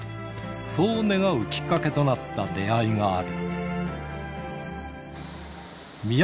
そう願うきっかけとなった出会いがある。